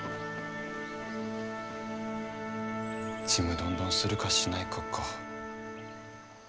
ちむどんどんするかしないかか。